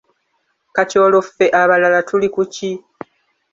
Kati olwo ffe abalala tuli ku ki?